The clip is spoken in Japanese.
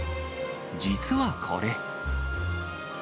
実はこれ。